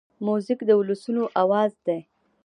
موزیک د ولسونو آواز دی.